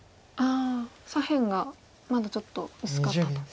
左辺がまだちょっと薄かったと。